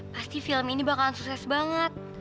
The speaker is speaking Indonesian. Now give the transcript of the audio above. pasti film ini bakalan sukses banget